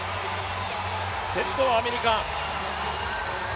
先頭はアメリカ。